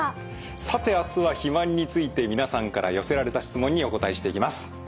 さて明日は肥満について皆さんから寄せられた質問にお答えしていきます。